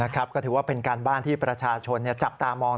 ก็ถือว่าเป็นการบ้านที่ประชาชนจับตามอง